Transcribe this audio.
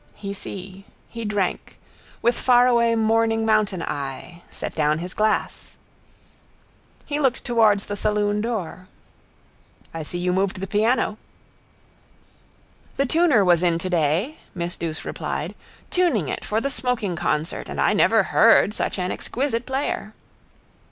He see. He drank. With faraway mourning mountain eye. Set down his glass. He looked towards the saloon door. —I see you have moved the piano. —The tuner was in today, miss Douce replied, tuning it for the smoking concert and I never heard such an exquisite player.